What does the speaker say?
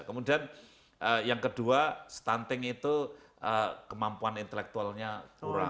kemudian yang kedua stunting itu kemampuan intelektualnya kurang